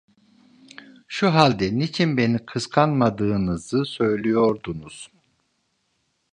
Şu halde niçin beni kıskanmadığınızı söylüyordunuz?